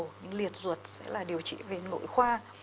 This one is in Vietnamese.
tắc ruột sẽ là điều trị về nội khoa